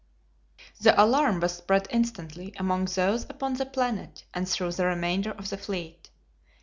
The alarm was spread instantly among those upon the planet and through the remainder of the fleet.